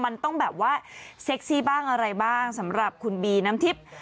มันต้องแบบว่าเซ็กซี่บ้างอะไรบ้างสำหรับคุณบีน้ำทิพย์